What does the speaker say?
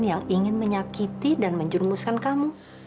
yang ingin menyakiti dan menjerumuskan kamu